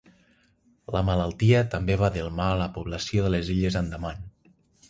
La malaltia també va delmar la població de les illes Andaman.